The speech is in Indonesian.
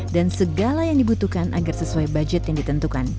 dan segala yang dibutuhkan agar sesuai budget yang ditentukan